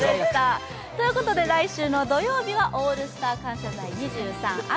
来週の土曜日は「オールスター感謝祭’２３秋」